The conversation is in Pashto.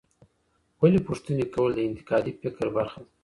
ولي پوښتني کول د انتقادي فکر برخه ده؟